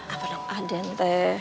apa nama adennya